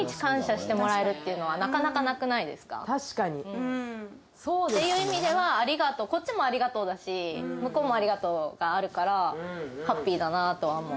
うんっていう意味では「ありがとう」こっちも「ありがとう」だし向こうも「ありがとう」があるからハッピーだなとは思う